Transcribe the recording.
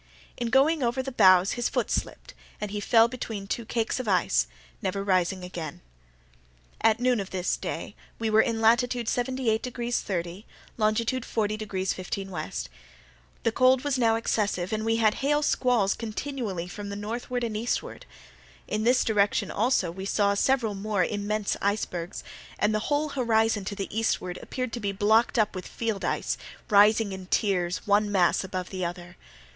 In going over the bows his foot slipped, and he fell between two cakes of ice, never rising again. At noon of this day we were in latitude 78 degrees 30', longitude 40 degrees 15' W. The cold was now excessive, and we had hail squalls continually from the northward and eastward. In this direction also we saw several more immense icebergs, and the whole horizon to the eastward appeared to be blocked up with field ice, rising in tiers, one mass above the other.